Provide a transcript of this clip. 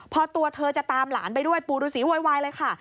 พอตัวเธอจะตามหลานไปด้วยปู่ฤษีโวยวายเลยค่ะ